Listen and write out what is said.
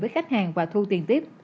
với khách hàng và thu tiền tiếp